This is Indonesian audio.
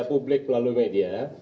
publik melalui media